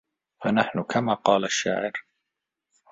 فَنَحْنُ كَمَا قَالَ الشَّاعِرُ